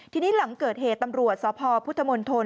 ทีนี้หลังเกิดเหตุตำรวจสพพุทธมนตร